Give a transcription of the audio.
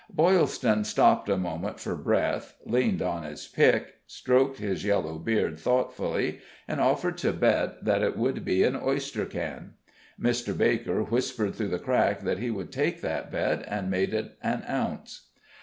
Boylston stopped a moment for breath, leaned on his pick, stroked his yellow beard thoughtfully, and offered to bet that it would be an oyster can. Mr. Baker whispered through the crack that he would take that bet, and make it an ounce.